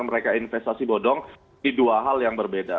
mereka investasi bodong di dua hal yang berbeda